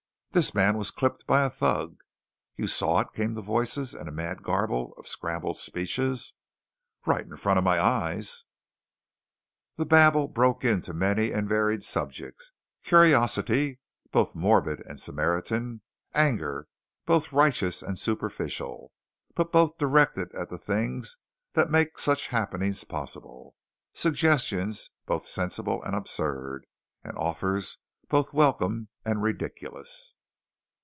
"This man was clipped by a thug." "You saw it?" came the voices in a mad garble of scrambled speeches. "Right in front of my eyes." The babble broke into many and varied subjects. Curiosity, both morbid and Samaritan; anger both righteous and superficial, but both directed at the things that make such happenings possible; suggestions both sensible and absurd, and offers both welcome and ridiculous.